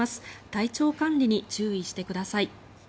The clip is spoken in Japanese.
体調管理に注意してください。